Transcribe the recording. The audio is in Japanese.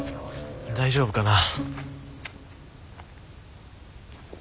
大丈夫かな。